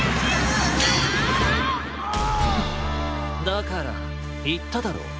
だからいっただろう。